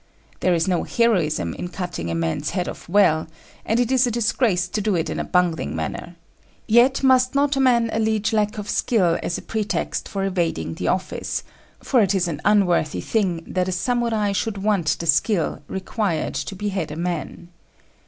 There is no heroism in cutting a man's head off well, and it is a disgrace to do it in a bungling manner; yet must not a man allege lack of skill as a pretext for evading the office, for it is an unworthy thing that a Samurai should want the skill required to behead a man.